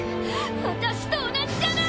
私と同じじゃない！